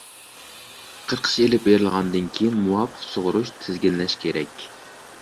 قىرقىش ئېلىپ بېرىلغاندىن كېيىن مۇۋاپىق سۇغىرىش، تىزگىنلەش كېرەك.